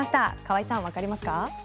川合さんわかりますか。